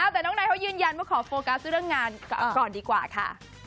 แต่น้องนายเขายืนยันว่าขอโฟกัสเรื่องงานก่อนดีกว่าค่ะ